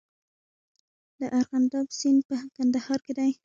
د ارغنداب سیند په کندهار کې دی